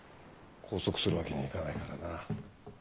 拘束するわけにはいかないからな。